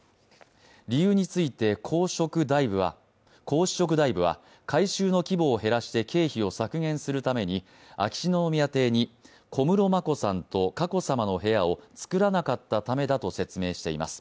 理由について皇嗣職大夫は改修の規模を減らして経費を削減するために、秋篠宮邸に小室眞子さんと佳子さまの部屋を作らなかったためだと説明しています。